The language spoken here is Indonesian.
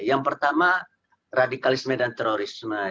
yang pertama radikalisme dan terorisme